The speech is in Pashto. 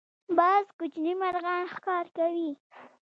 باز کوچني مرغان ښکار کوي